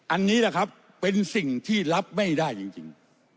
อันนี้แหละครับเป็นสิ่งที่รับไม่ได้จริง